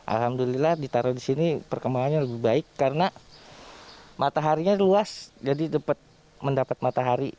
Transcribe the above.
alhamdulillah ditaruh di sini perkembangannya lebih baik karena mataharinya luas jadi dapat mendapat matahari